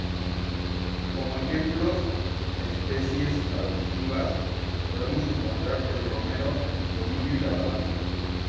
Como ejemplos de especies arbustivas podemos encontrar el romero, el tomillo y la lavanda.